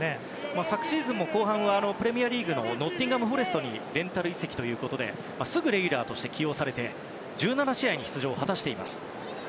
昨シーズン後半はプレミアリーグのノッティンガム・フォレストにレンタル移籍ということですぐレギュラーとして起用されて１７試合に出場を果たしています。